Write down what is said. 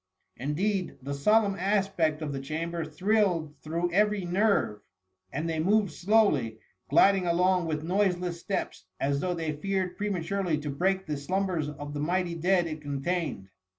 Indeed, the solemn aspect of the chamber thrilled through every nerve, and they moved slowly, gliding along with noiseless steps as though they feared prematurely to break the slumbers of the mighty dead it contained.